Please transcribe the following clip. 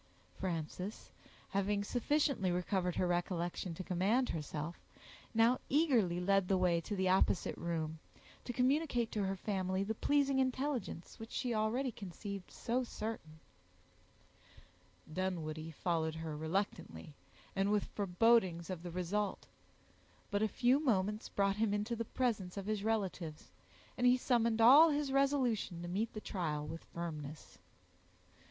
Frances, having sufficiently recovered her recollection to command herself, now eagerly led the way to the opposite room, to communicate to her family the pleasing intelligence which she already conceived so certain, Dunwoodie followed her reluctantly, and with forebodings of the result; but a few moments brought him into the presence of his relatives, and he summoned all his resolution to meet the trial with firmness.